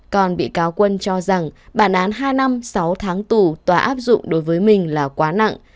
còn bị cáo quân cho rằng bản án hai năm sáu tháng tù tòa áp dụng đối với mình là quá nặng